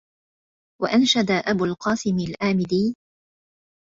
وَأَنْشَدَ أَبُو الْقَاسِمِ الْآمِدِيُّ